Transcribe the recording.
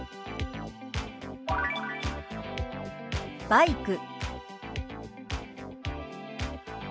「バイク」。